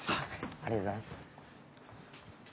ありがとうございます。